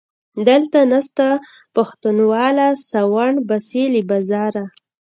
دلته نسته پښتونواله - ساوڼ باسي له بازاره